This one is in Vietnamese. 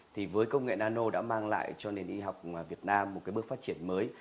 thì với công nghệ nano đã mang lại cho nền y học việt nam một cái bước phát triển mới